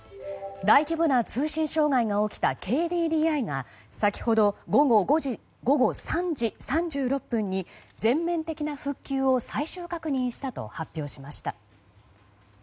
大規模な通信障害が起きたＫＤＤＩが先ほど、午後３時３６分に全面的な復旧を最終確認したと発表しました。